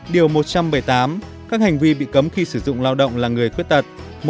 điều một trăm bảy mươi tám các hành vi bị cấm khi sử dụng lao động là người khuyết tật